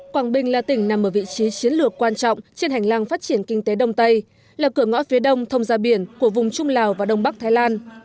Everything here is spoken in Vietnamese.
quảng bình là tỉnh nằm ở vị trí chiến lược quan trọng trên hành lang phát triển kinh tế đông tây là cửa ngõ phía đông thông gia biển của vùng trung lào và đông bắc thái lan